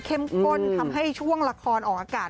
ข้นทำให้ช่วงละครออกอากาศ